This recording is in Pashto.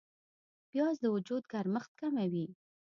پیاز د وجود ګرمښت کموي